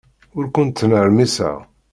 Ur ken-ttnermiseɣ.